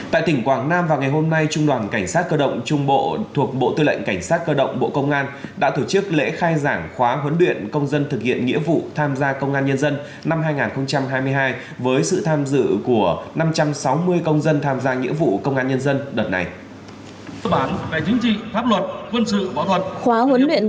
tại tỉnh quảng nam vào ngày hôm nay trung đoàn cảnh sát cơ động trung bộ thuộc bộ tư lệnh cảnh sát cơ động bộ công an đã thủ chức lễ khai giảng khóa huấn luyện công dân thực hiện nghĩa vụ tham gia công an nhân dân năm hai nghìn hai mươi hai với sự tham dự của năm trăm sáu mươi công dân tham gia nghĩa vụ công an nhân dân đợt này